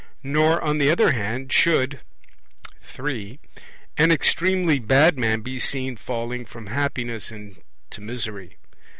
Nor, on the other hand, should (3) an extremely bad man be seen falling from happiness into misery.